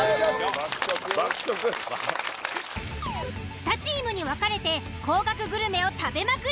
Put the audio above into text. ［２チームに分かれて高額グルメを食べまくり］